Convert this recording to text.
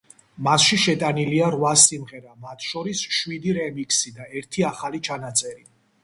მასში შეტანილია რვა სიმღერა, მათ შორის შვიდი რემიქსი და ერთი ახალი ჩანაწერი.